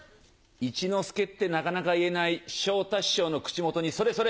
「一之輔」ってなかなか言えない昇太師匠の口元にそれそれ！